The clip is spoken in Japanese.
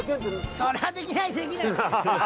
それはできない、できない！